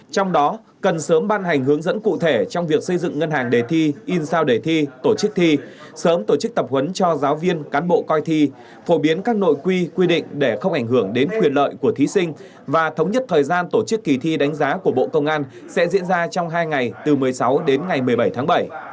trong đó cần sớm ban hành hướng dẫn cụ thể trong việc xây dựng ngân hàng đề thi in sao đề thi tổ chức thi sớm tổ chức tập huấn cho giáo viên cán bộ coi thi phổ biến các nội quy quy định để không ảnh hưởng đến quyền lợi của thí sinh và thống nhất thời gian tổ chức kỳ thi đánh giá của bộ công an sẽ diễn ra trong hai ngày từ một mươi sáu đến ngày một mươi bảy tháng bảy